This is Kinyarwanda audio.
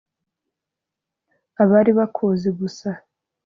abari bakuzi gusa